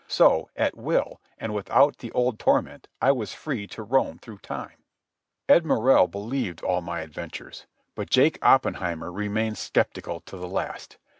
So, at will, and without the old torment, I was free to roam through time. Ed Morrell believed all my adventures, but Jake Oppenheimer remained sceptical to the last.